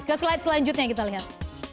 ke slide selanjutnya kita lihat